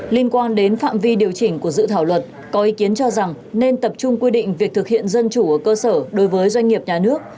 liên quan đến phạm vi điều chỉnh của dự thảo luật có ý kiến cho rằng nên tập trung quy định việc thực hiện dân chủ ở cơ sở đối với doanh nghiệp nhà nước